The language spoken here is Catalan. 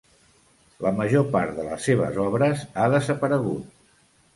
La major part de les seves obres ha desaparegut.